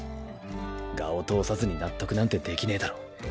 我を通さずに納得なんてできねぇだろ。